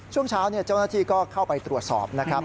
ช่วงเช้าเจ้าหน้าที่ก็เข้าไปตรวจสอบนะครับ